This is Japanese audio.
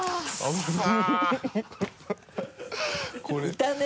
いたね。